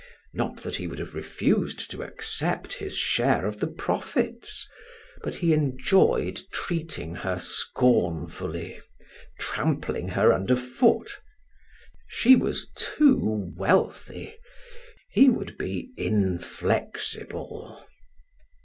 Not that he would have refused to accept his share of the profits, but he enjoyed treating her scornfully, trampling her under foot; she was too wealthy; he would be inflexible.